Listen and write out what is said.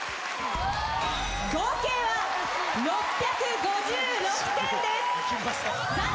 合計は６５６点です。